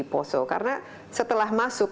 poso karena setelah masuk